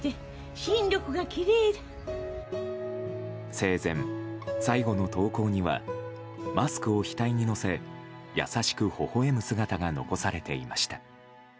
生前、最後の投稿にはマスクを額にのせ優しくほほ笑む姿が残されていました。